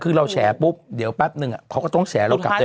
คือเราแฉปุ๊บเดี๋ยวแป๊บนึงเขาก็ต้องแฉเรากลับด้วย